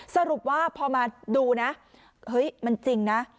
สรุปว่าพอมาดูนะเฮ้ยมันจริงนะ